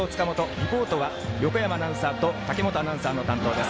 リポートは横山アナウンサーと武本アナウンサーの担当です。